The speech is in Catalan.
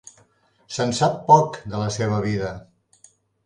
Se'n sap poc, de la seva vida.